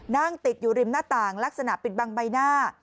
นั่งติดอยู่ริมหน้าต่างลักษณะปิดบังใบหน้า